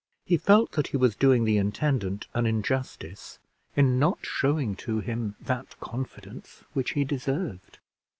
He felt that he was doing the intendant an injustice, in not showing to him that confidence which ho deserved.